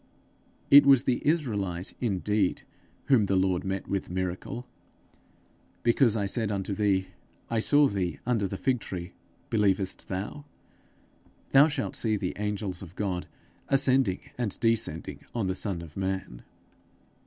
It was the Israelite indeed, whom the Lord met with miracle: 'Because I said unto thee, I saw thee under the fig tree, believest thou? Thou shalt see the angels of God ascending and descending on the Son of Man.'